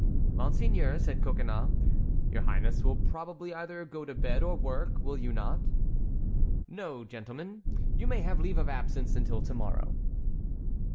"Monseigneur," said Coconnas, "your highness will probably either go to bed or work, will you not?" "No, gentlemen; you may have leave of absence until to morrow."